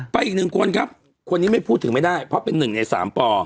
อีกหนึ่งคนครับคนนี้ไม่พูดถึงไม่ได้เพราะเป็นหนึ่งในสามป